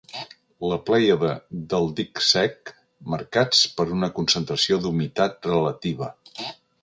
La plèiade del dic sec marcats per una concentració d'humitat relativa.